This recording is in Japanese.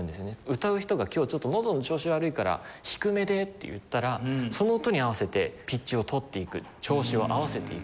歌う人が「今日ちょっとのどの調子悪いから低めで」って言ったらその音に合わせてピッチをとっていく調子を合わせていく。